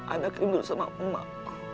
anak yang diunggur sama emak